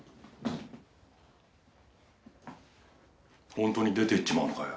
本当に出て行っちまうのかよ。